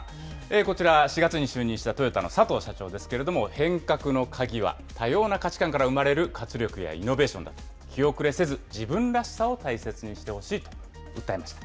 こちら、４月に就任したトヨタの佐藤社長ですけれども、変革の鍵は、多様な価値観から生まれる活力やイノベーションだと、気後れせず、自分らしさを大切にしてほしいと訴えました。